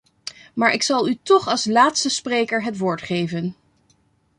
Maar ik zal u toch als laatste spreker het woord geven.